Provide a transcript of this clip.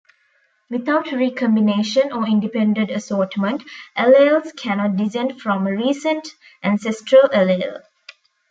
Without recombination or independent assortment alleles cannot descend from a recent ancestral allele.